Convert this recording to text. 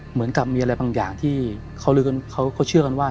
เหมือนกับมีอะไรบางอย่างที่เขาเชื่อกันว่า